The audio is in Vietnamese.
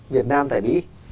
việt nam tại mỹ